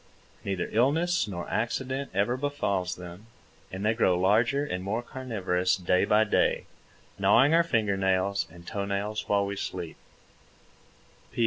Neither illness nor accident ever befalls them, and they grow larger and more carnivorous day by day, gnawing our finger nails and toe nails while we sleep.